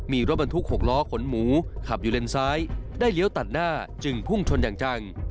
มีรถบรรทุก๖ล้อขนหมูขับอยู่เลนซ้ายได้เลี้ยวตัดหน้าจึงพุ่งชนอย่างจัง